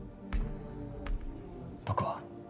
僕は。